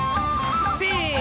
せの。